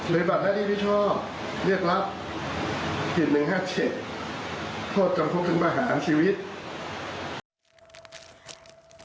ในบัตรหน้าที่พี่ชอบเรียกรับผิด๑๕๗โทษจำควบถึงมาหาของชีวิต